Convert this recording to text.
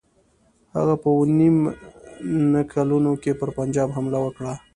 هغه په اووه نیم نه کلونو کې پر پنجاب حمله وکړه.